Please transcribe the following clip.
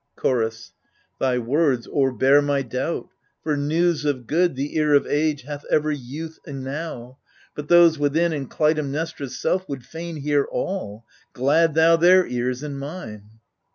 Chorus Thy words o'erbear my doubt : for news of good, The ear of age hath ever youth enow : But those within and Clytemnestra's self Would fain hear all ; glad thou their ears and mine.